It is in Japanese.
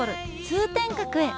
通天閣へ。